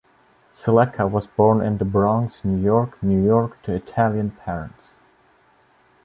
Sellecca was born in The Bronx, New York, New York to Italian parents.